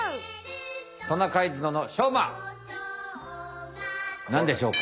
トナカイ角のしょうま！なんでしょうか？